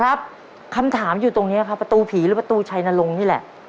ครับคำถามอยู่ตรงนี้ครับประตูผีหรือประตูชัยนรงค์นี่แหละ